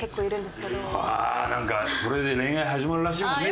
ああなんかそれで恋愛始まるらしいもんね